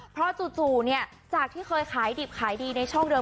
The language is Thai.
เพราะจู่เนี่ยจากที่เคยขายดิบขายดีในช่องเดิม